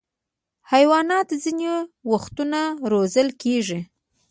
حیوانات ځینې وختونه روزل کېږي.